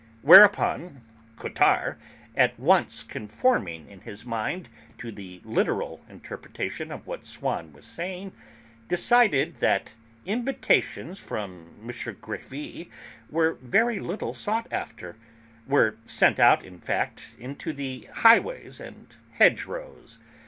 Whereupon Cottard, at once conforming in his mind to the literal interpretation of what Swann was saying, decided that invitations from M. Grévy were very little sought after, were sent out, in fact, into the highways and hedge rows.